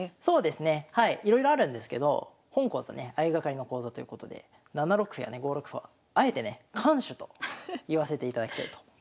そうですねはいいろいろあるんですけど本講座ね相掛かりの講座ということでと言わせていただきたいと。